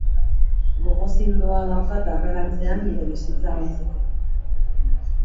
Gogo zindoa daukat aurrerantzean nire bizitza ontzeko.